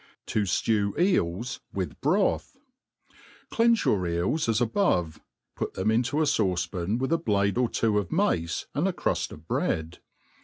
Tojlew Eels with Broth. CLEANSE your eels as above, put them into a faute pan with a blade or two of mace and a cruft of bread.